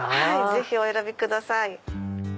ぜひお選びください。